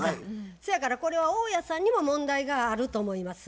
そやからこれは大家さんにも問題があると思います。